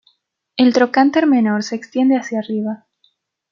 El trocánter menor se extiende hacia arriba.